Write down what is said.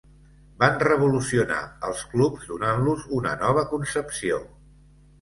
Van revolucionar els clubs donant-los una nova concepció.